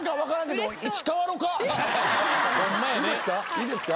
いいですか？